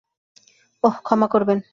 ওহ, ক্ষমা করবেন।